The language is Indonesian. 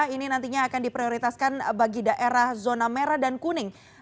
ini nantinya akan diprioritaskan bagi daerah zona merah dan kuning